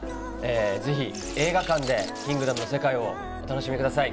ぜひ映画館で『キングダム』の世界をお楽しみください。